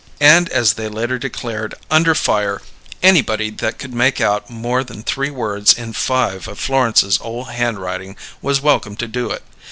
And as they later declared, under fire, anybody that could make out more than three words in five of Florence's ole handwriting was welcome to do it.